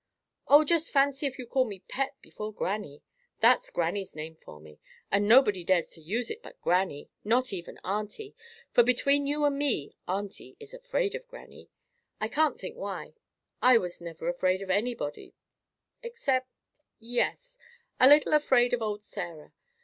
"Oh, just fancy if you called me Pet before grannie! That's grannie's name for me, and nobody dares to use it but grannie—not even auntie; for, between you and me, auntie is afraid of grannie; I can't think why. I never was afraid of anybody—except, yes, a little afraid of old Sarah.